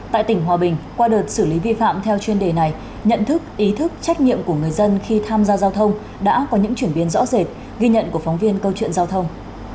tại tỉnh hòa bình qua đợt xử lý vi phạm theo chuyên đề này nhận thức ý thức trách nhiệm của người dân khi tham gia giao thông đã có những chuyển biến rõ rệt ghi nhận của phóng viên câu chuyện giao thông